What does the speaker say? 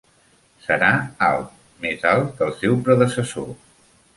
Serà alt, més alt que el seu predecessor.